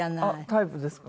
タイプですか？